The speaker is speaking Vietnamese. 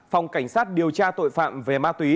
phòng cảnh sát điều tra tội phạm về ma túy